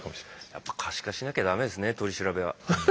やっぱ可視化しなきゃダメですね取り調べは。